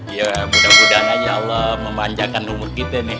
ya mudah mudahan aja allah memanjakan umur kita nih